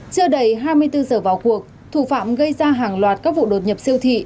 chưa đầy hai mươi bốn giờ vào cuộc thủ phạm gây ra hàng loạt các vụ đột nhập siêu thị